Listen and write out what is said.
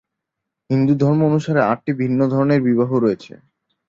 হিন্দু ধর্ম অনুসারে আটটি ভিন্ন ধরনের বিবাহ রয়েছে।